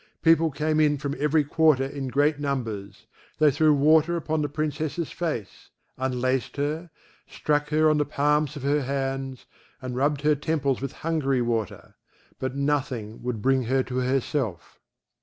People came in from every quarter in great numbers; they threw water upon the Princess's face, unlaced her, struck her on the palms of her hands, and rubbed her temples with Hungary water; but nothing would bring her to herself.